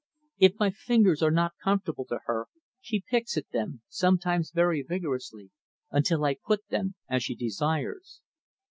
If my fingers are not comfortable to her, she picks at them sometimes very vigorously until I put them as she desires.